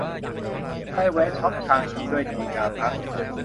ได้แวะช็อปชางฮีด้วย ดีงามฮะ